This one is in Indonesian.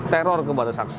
teror kepada saksi